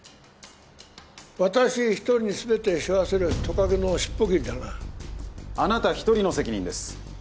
私一人に全てしょわせるトカゲのシッポ切りだなあなた一人の責任です